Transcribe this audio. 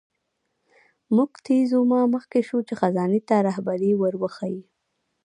موکتیزوما مخکې شو چې خزانې ته رهبري ور وښیي.